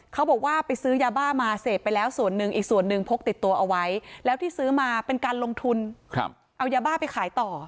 เขาบอกว่าไปซื้อยาบ้ามาเสพไปแล้วส่วนหนึ่งอีกส่วนหนึ่งพกติดตัวเอาไว้แล้วที่ซื้อมาเป็นการลงทุนเอายาบ้าไปขายต่อ